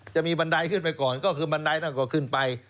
บันไดขึ้นไปก่อนก็คือบันไดนั่นก็ขึ้นไป